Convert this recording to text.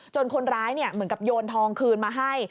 คนร้ายเหมือนกับโยนทองคืนมาให้